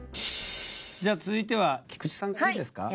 じゃあ続いては菊地さんいいですか？